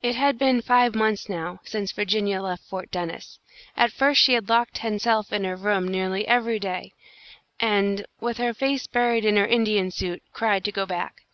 It had been five months, now, since Virginia left Fort Dennis. At first she had locked hen self in her room nearly every day, and, with her face buried in her Indian suit, cried to go back.